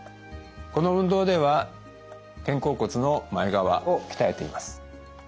この運動では肩甲骨の前側を鍛えています。